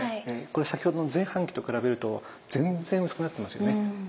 これ先ほどの前半期と比べると全然薄くなってますよね。